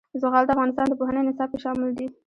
زغال د افغانستان د پوهنې نصاب کې شامل دي.